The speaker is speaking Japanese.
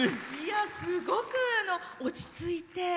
すごく落ち着いて。